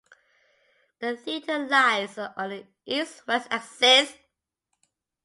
The theatre lies on an east-west axis.